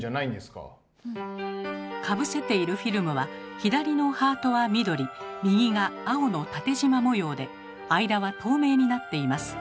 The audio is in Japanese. かぶせているフィルムは左のハートは緑右が青の縦じま模様で間は透明になっています。